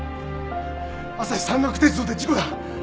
朝日山岳鉄道で事故だ！